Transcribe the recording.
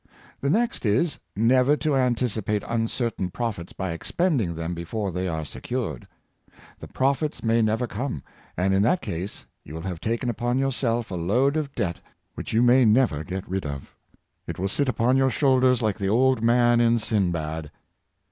The next is, never to anticipate uncertain profits by expending them before they are secured. The profits may never come, and in that case you will have taken upon yourself a load of debt which you may never get rid of It will sit upon your shoulders like the old man in Sinbad.